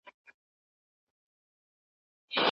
که درناوی وي نو زړه نه ماتیږي.